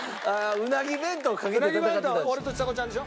うなぎ弁当は俺とちさ子ちゃんでしょ？